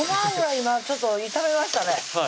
今ちょっと炒めましたね